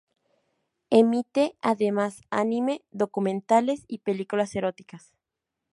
Emite, además, anime, documentales y películas eróticas.